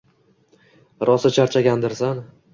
Rosa charchagandirsan